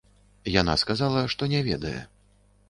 Яна сказала, што не ведае.